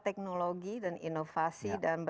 teknologi dan inovasi dan